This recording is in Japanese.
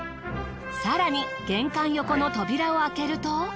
更に玄関横の扉を開けると。